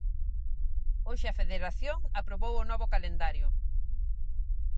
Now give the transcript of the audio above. Hoxe a Federación aprobou o novo calendario.